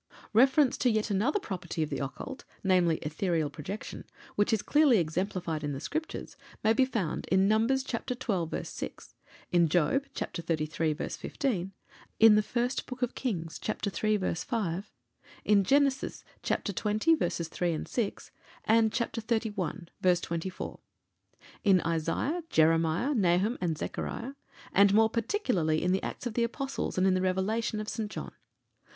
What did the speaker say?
Reference to yet another property of the occult namely, Etherical Projection which is clearly exemplified in the Scriptures, may be found in Numbers, chapter xii., verse 6; in Job, chapter xxxiii., verse 15; in the First Book of Kings, chapter iii., verse 5; in Genesis, chapter xx., verses 3 and 6, and chapter xxxi., verse 24; in Isaiah, Jeremiah, Nahum, and Zechariah; and more particularly in the Acts of the Apostles, and in the Revelation of St. John.